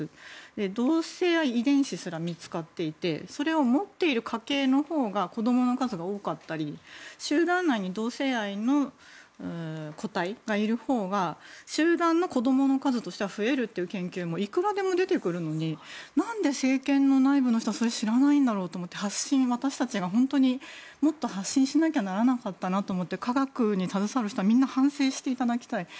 同性愛遺伝子すら見つかっていてそれを持っている家系のほうが子供の数が多かったり集団内に同性愛の個体がいるほうが集団の子供の数としては増えるという研究もいくらまで出てくるので何で、政権の内部の人はそれを知らないんだろうと思って私たちが本当にもっと発信しなければならなかったなと思って科学に携わる人はみんな反省していただきたい。